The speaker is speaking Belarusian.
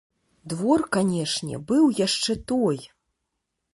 Двор, канешне, быў яшчэ той!